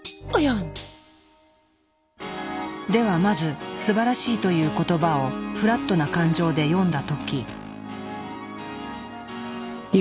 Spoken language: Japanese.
ではまず「すばらしい」という言葉をフラットな感情で読んだ時。